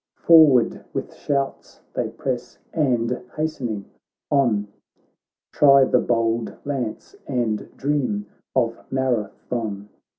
Forward with shouts they press, and hastening on Try the bold lance and dream of Mara thon.